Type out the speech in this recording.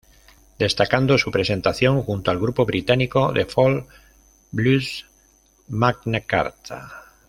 Destacando su presentación junto al grupo británico de Folk- Blues Magna Carta.